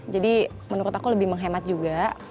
menurut aku lebih menghemat juga